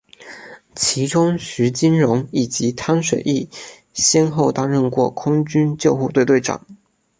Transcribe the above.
其中徐金蓉以及汤水易先后担任过空军救护队队长。